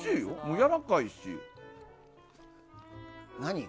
やわらかいし。